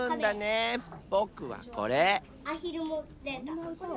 ぼくはこれ。